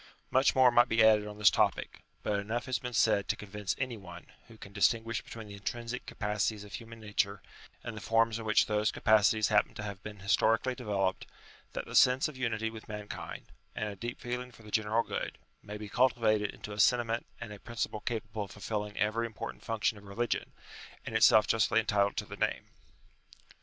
Much more might be added on this topic; but 110 UTILITY OF RELIGION enough has been said to convince any one, who can distinguish between the intrinsic capacities of human nature and the forms in which those capacities happen to have been historically developed, that the sense of unity with mankind, and a deep feeling for the gene ral good, may be cultivated into a sentiment and a principle capable of fulfilling every important function of religion and itself justly entitled to the name.